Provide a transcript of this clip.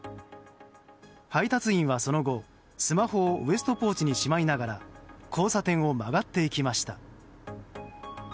配達員はその後、スマホをウエストポーチにしまいながら交差点を曲がっていきました。